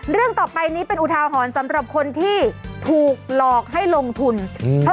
เรื่องต่อไปนี้เป็นอุทาหรณ์สำหรับคนที่ถูกหลอกให้ลงทุนอืม